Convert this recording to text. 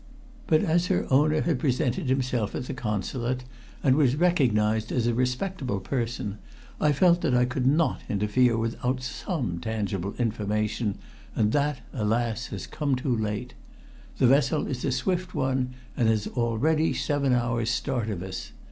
But as her owner had presented himself at the Consulate, and was recognized as a respectable person, I felt that I could not interfere without some tangible information and that, alas! has come too late. The vessel is a swift one, and has already seven hours start of us.